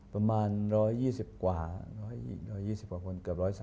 ประมาณ๑๑๐๑๓๐คน